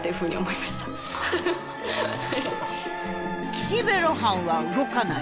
「岸辺露伴は動かない」。